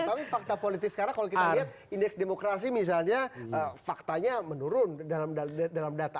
tapi fakta politik sekarang kalau kita lihat indeks demokrasi misalnya faktanya menurun dalam data